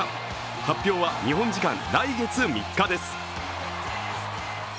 発表は日本時間来月３日です。